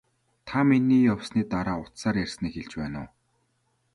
Та миний явсны дараа утсаар ярьсныг хэлж байна уу?